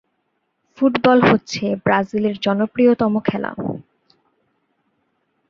Football হচ্ছে ব্রাজিলের জনপ্রীয়তম খেলা।